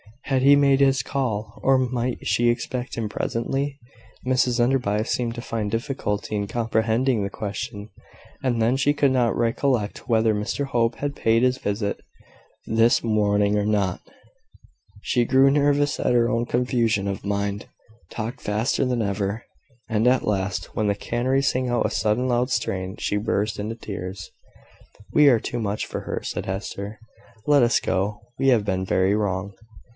Had he made his call, or might she expect him presently? Mrs Enderby seemed to find difficulty in comprehending the question; and then she could not recollect whether Mr Hope had paid his visit this morning or not. She grew nervous at her own confusion of mind talked faster than ever; and, at last, when the canary sang out a sudden loud strain, she burst into tears. "We are too much for her," said Hester; "let us go, we have been very wrong."